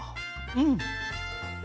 うん。